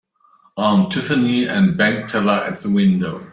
Aunt Tiffany and bank teller at the window.